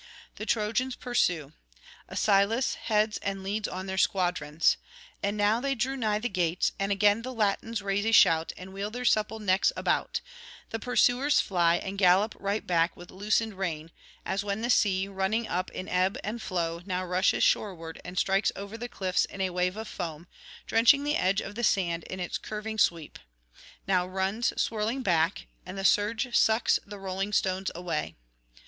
The Trojans pursue; Asilas heads and leads on [621 653]their squadrons. And now they drew nigh the gates, and again the Latins raise a shout and wheel their supple necks about; the pursuers fly, and gallop right back with loosened rein: as when the sea, running up in ebb and flow, now rushes shoreward and strikes over the cliffs in a wave of foam, drenching the edge of the sand in its curving sweep; now runs swirling back, and the surge sucks the rolling stones away.